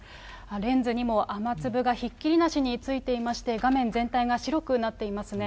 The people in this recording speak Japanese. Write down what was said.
レンズにも雨粒がひっきりなしについていまして、画面全体が白くなっていますね。